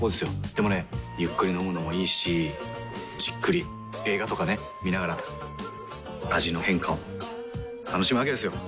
でもねゆっくり飲むのもいいしじっくり映画とかね観ながら味の変化を楽しむわけですよ。